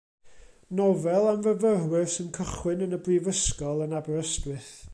Nofel am fyfyrwyr sy'n cychwyn yn y brifysgol yn Aberystwyth.